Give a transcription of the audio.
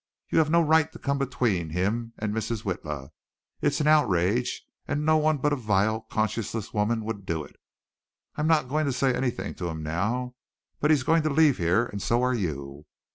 You have no right to come between him and Mrs. Witla. It's an outrage, and no one but a vile, conscienceless woman would do it. I'm not going to say anything to him now, but he's going to leave here and so are you.